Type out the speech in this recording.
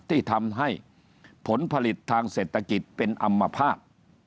ที่ทำให้ผลผลิตทางเศรษฐกิจเป็นอำมภาษณ์